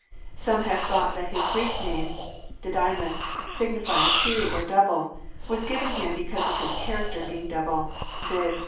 Some have thought that his Greek name '< Didymus," signify ing " two " or " double," was given him because of his character being double, viz.